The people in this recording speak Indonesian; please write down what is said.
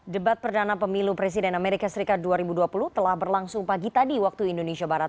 debat perdana pemilu presiden amerika serikat dua ribu dua puluh telah berlangsung pagi tadi waktu indonesia barat